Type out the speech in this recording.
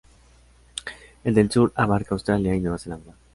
El del sur abarca Australia y Nueva Zelanda.